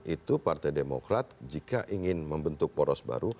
itu partai demokrat jika ingin membentuk poros baru